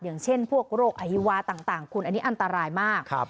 อย่างเช่นพวกโรคอฮิวาต่างคุณอันนี้อันตรายมาก